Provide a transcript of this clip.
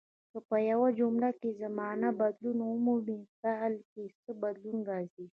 که په یوه جمله کې زمانه بدلون ومومي فعل کې څه بدلون راځي.